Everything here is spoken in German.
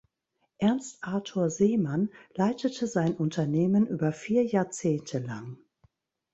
Ernst Arthur Seemann leitete sein Unternehmen über vier Jahrzehnte lang.